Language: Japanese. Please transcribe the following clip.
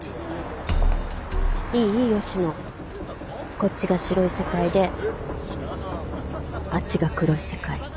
こっちが白い世界であっちが黒い世界